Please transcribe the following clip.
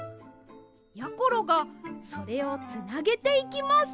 やころがそれをつなげていきます。